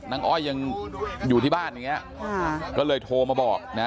อ้อยยังอยู่ที่บ้านอย่างนี้ก็เลยโทรมาบอกนะ